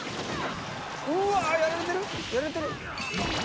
うわやられてる？